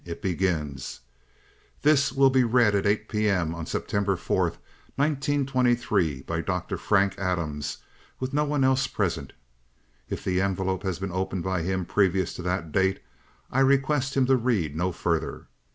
It begins: 'This will be read at 8 P. M. on September 4th, 1923, by Dr. Frank Adams with no one else present. If the envelope has been opened by him previous to that date I request him to read no further.